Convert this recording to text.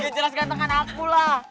jelas gantengan akulah